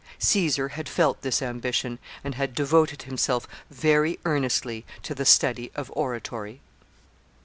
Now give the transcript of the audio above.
Caesar had felt this ambition, and had devoted himself very earnestly to the study of oratory.